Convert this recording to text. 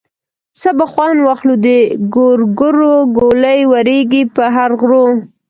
څه به خوند واخلو د ګورګورو ګولۍ ورېږي په هر غرو.